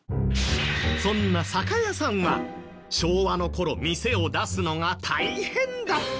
そんな酒屋さんは昭和の頃店を出すのが大変だった。